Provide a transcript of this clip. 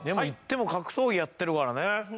いっても格闘技やってるからね。